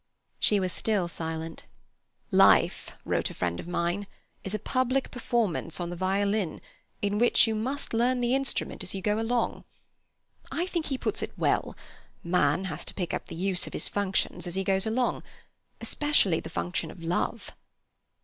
She was still silent. "'Life' wrote a friend of mine, 'is a public performance on the violin, in which you must learn the instrument as you go along.' I think he puts it well. Man has to pick up the use of his functions as he goes along—especially the function of Love."